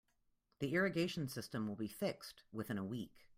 The irrigation system will be fixed within a week.